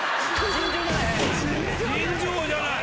尋常じゃない。